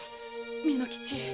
巳之吉。